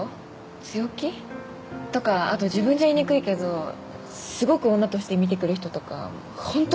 強気？とかあと自分じゃ言いにくいけどすごく女として見てくる人とか本当